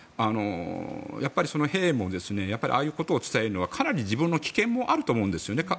やっぱり兵もああいうことを伝えるのはかなり自分の危険もあると思うんですよね。